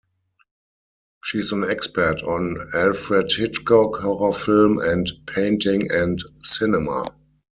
She is an expert on Alfred Hitchcock, horror film, and painting and cinema.